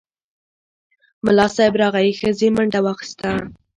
ملا صیب راغی، ښځې منډه واخیسته.